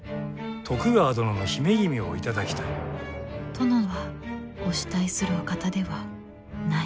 殿はお慕いするお方ではない。